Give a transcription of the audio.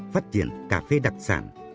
phát triển cà phê đặc sản